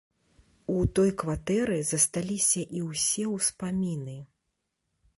У той кватэры засталіся і ўсе ўспаміны.